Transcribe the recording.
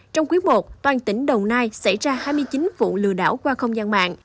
trong quyết bột toàn tỉnh đồng nai xảy ra hai mươi chín vụ lừa đảo qua không gian mạng